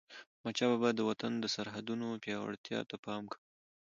احمدشاه بابا به د وطن د سرحدونو پیاوړتیا ته پام کاوه.